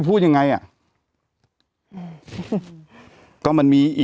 แต่หนูจะเอากับน้องเขามาแต่ว่า